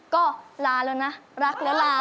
ก็ลาแล้วนะรักแล้วลา